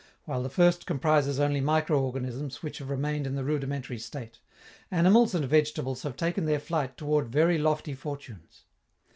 While the first comprises only microorganisms which have remained in the rudimentary state, animals and vegetables have taken their flight toward very lofty fortunes.